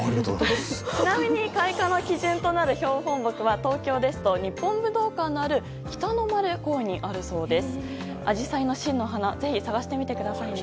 ちなみに開花の基準となる標本木は日本武道館のある北の丸公園にあるそうです。